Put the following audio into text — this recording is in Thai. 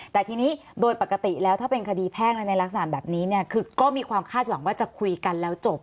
แต่ทีนี้โดยปกติแล้วถ้าเป็นคดีแพ่งและในลักษณะแบบนี้เนี่ยคือก็มีความคาดหวังว่าจะคุยกันแล้วจบ